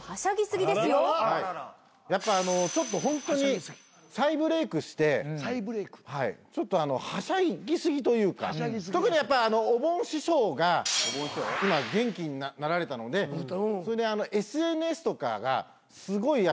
やっぱちょっとホントに再ブレークしてちょっとはしゃぎ過ぎというか特にやっぱおぼん師匠が今元気になられたのでそれでＳＮＳとかがすごい力入れちゃってるんですよ。